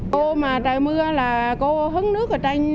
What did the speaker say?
cô mà trời mưa là cô hứng nước ở đây